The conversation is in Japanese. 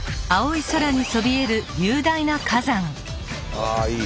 ああいい。